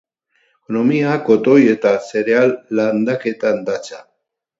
Ekonomia kotoi eta zereal landaketan datza.